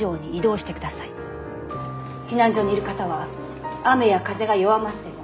「避難所にいる方は雨や風が弱まっても」。